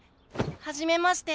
はじめまして。